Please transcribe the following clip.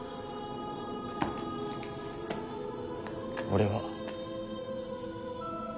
俺は。